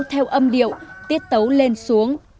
theo âm điệu tiết tấu lên xuống